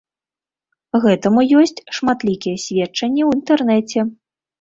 Гэтаму ёсць шматлікія сведчанні ў інтэрнэце.